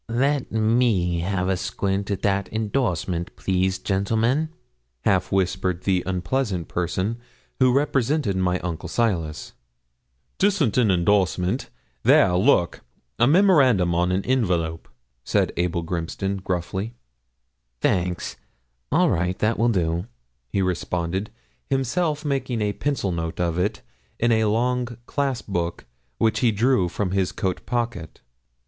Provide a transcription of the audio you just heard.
'Let me have a squint at that indorsement, please, gentlemen,' half whispered the unpleasant person who represented my uncle Silas. ''Tisn't an indorsement. There, look a memorandum on an envelope,' said Abel Grimston, gruffly. 'Thanks all right that will do,' he responded, himself making a pencil note of it, in a long clasp book which he drew from his coat pocket.